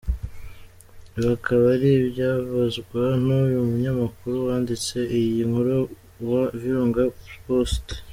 Ibi akaba ari ibyibazwa n’uyu munyamakuru wanditse iyi nkuru wa Virunga Post.